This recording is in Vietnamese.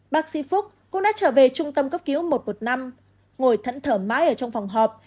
bác sĩ phúc cũng đã trở về trung tâm cấp cứu một trăm một mươi năm ngồi thuẫn thở mãi ở trong phòng họp